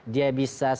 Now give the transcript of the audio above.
dia bisa sampai